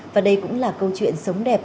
và đây cũng là câu chuyện sống đẹp